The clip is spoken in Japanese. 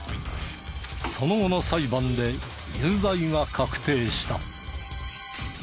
その後の裁判で有罪が確定した。